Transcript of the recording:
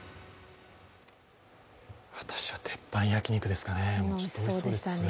私は鉄板焼肉ですかね